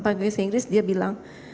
pakai bahasa inggris dia bilang